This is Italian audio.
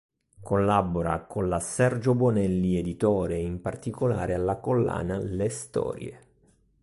Collabora con la Sergio Bonelli Editore in particolare alla collana "Le storie".